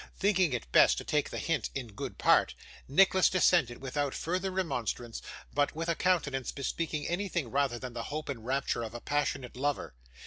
Thinking it best to take the hint in good part, Nicholas descended, without further remonstrance, but with a countenance bespeaking anything rather than the hope and rapture of a passionate lover.